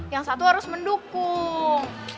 yang satu harus mendukung